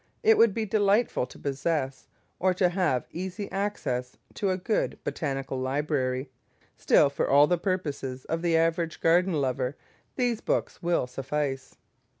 It would be delightful to possess, or to have easy access to, a good botanical library; still, for all the purposes of the average garden lover, these books will suffice.